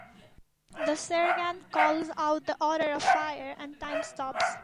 The sergeant calls out the order to fire, and time stops.